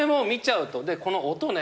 でこの音ね。